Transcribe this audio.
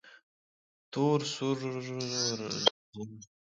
تور، سور، رزغون